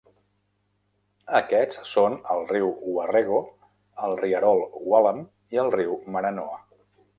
Aquests són el riu Warrego, el rierol Wallam i el riu Maranoa.